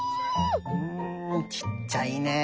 うんちっちゃいね。